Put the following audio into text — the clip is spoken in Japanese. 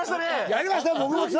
やりましたね。